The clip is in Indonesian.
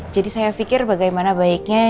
jadi saya pikir bagaimana baiknya